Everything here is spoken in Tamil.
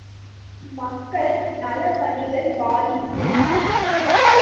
மக்கள் நலப் பணிகள் பாதிக்கும்.